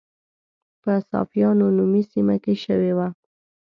په صافیانو نومي سیمه کې شوې وه.